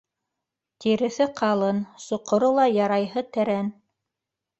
Тиреҫе ҡалын, соҡоро ла ярайһы тәрән.